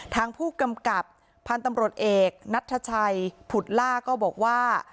ทางผู้กำกับพันธุ์ตำรวจเอกนัทชัยผุดล่าก็บอกว่า